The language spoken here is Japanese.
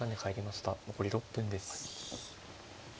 残り６分です。